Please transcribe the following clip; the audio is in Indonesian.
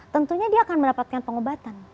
tentunya dia akan mendapatkan pengobatan